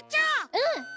うん！